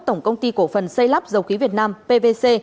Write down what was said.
tổng công ty cổ phần xây lắp dầu khí việt nam pvc